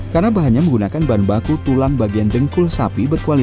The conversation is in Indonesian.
karena bahannya menggunakan bahan baku tulang bagian tengkul sapi